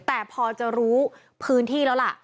แต่พอจะรู้พื้นที่แล้วล่ะ